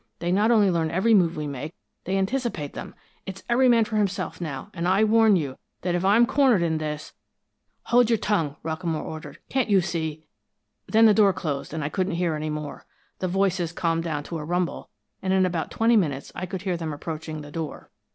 They not only learn every move we make they anticipate them! It's every man for himself, now, and I warn you that if I'm cornered in this ' "'Hold your tongue!' Rockamore ordered. 'Can't you see ' "Then the door closed, and I couldn't hear any more. The voices calmed down to a rumble, and in about twenty minutes I could hear them approaching the door.